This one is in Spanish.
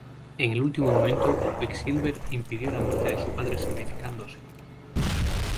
En el último momento, Quicksilver impidió la muerte de su padre sacrificándose.